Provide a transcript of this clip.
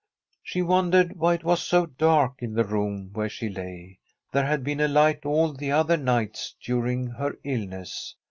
She wondered why it was so dark in the room where she lay. There had been a light all the other nights during her illness.